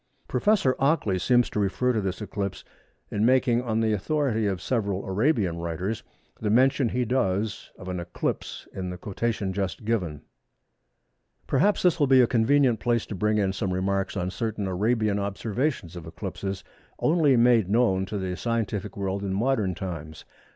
Prof. Ockley seems to refer to this eclipse in making, on the authority of several Arabian writers, the mention he does of an eclipse in the quotation just given. Perhaps this will be a convenient place to bring in some remarks on certain Arabian observations of eclipses only made known to the scientific world in modern times.